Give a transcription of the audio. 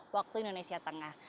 waktu indonesia tengah